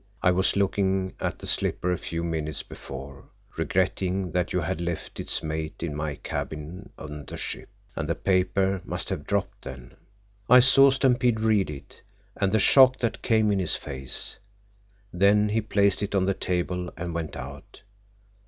"I was looking at the slipper a few minutes before, regretting that you had left its mate in my cabin on the ship, and the paper must have dropped then. I saw Stampede read it, and the shock that came in his face. Then he placed it on the table and went out.